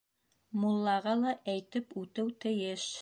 Муллаға ла әйтеп үтеү тейеш.